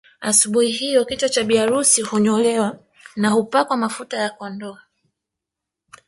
Asubuhi hiyo kichwa cha bi harusi unyolewa na hupakwa mafuta ya kondoo